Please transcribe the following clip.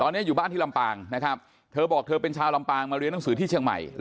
ตอนนี้อยู่บ้านที่ลำปางนะครับเธอบอกเธอเป็นชาวลำปางมาเรียนหนังสือที่เชียงใหม่